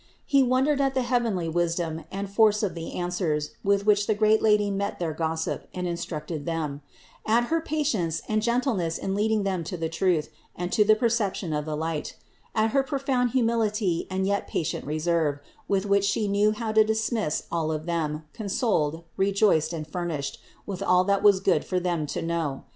He wondered at the heavenly wisdom and force of the answers, with which the great Lady met their gossip and instructed them; at her patience and gentleness in leading them to the truth and to the perception of the light; at her profound humility and yet patient reserve, with which She knew how to dismiss all of them con soled, rejoiced and furnished with all that was good for them to know.